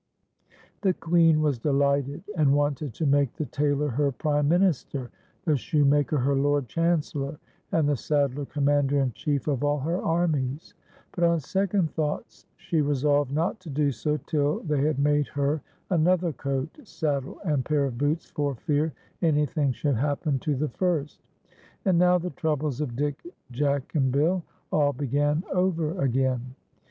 The Queen was delighted, and wanted to make the tailor her prime minister, the shoemaker her lord chancellor, and the saddler commander in chief of all her armies ; but, on second thoughts, she resolved not to do so till they had made her another coat, saddle, and pair of boots, for fear anything should happen to the first. And now the troubles of Dick, Jack, and Bill all began over again.